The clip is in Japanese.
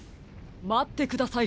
まってください